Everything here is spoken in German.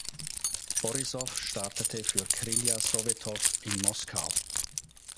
Borissow startete für "Krylja Sowetow" in Moskau.